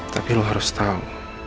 tapi lo harus tahu